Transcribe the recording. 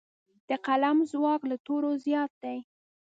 د قلم ځواک له تورو زیات دی.